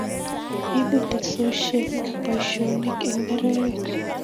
Ibu teksosiek boisionik eng neranik